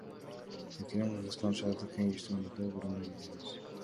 Мекеним Кыргызстан шаардык кеңештин мурдагы курамына кирген эмес.